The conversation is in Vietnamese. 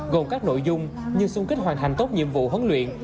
gồm các nội dung như xung kích hoàn thành tốt nhiệm vụ huấn luyện